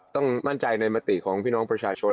ต้องมั่นใจในมติของพี่น้องประชาชน